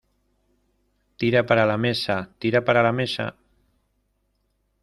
tira para la mesa, tira para la mesa.